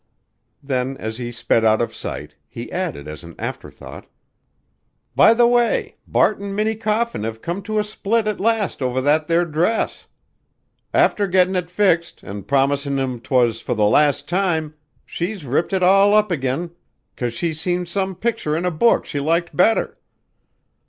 Then as he sped out of sight, he added as an afterthought: "By the way, Bart an' Minnie Coffin have come to a split at last over that 'ere dress. After gettin' it fixed, an' promisin' him 'twas fur the last time, she's ripped it all up again 'cause she's seen some picter in a book she liked better.